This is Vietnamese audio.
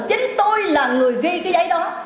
chính tôi là người ghi cái giấy đó